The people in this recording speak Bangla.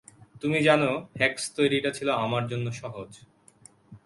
তুমি জানো, হেক্স তৈরিটা ছিল আমার জন্য সহজ।